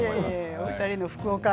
お二人の福岡愛